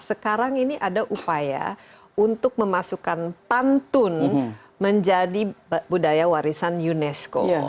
sekarang ini ada upaya untuk memasukkan pantun menjadi budaya warisan unesco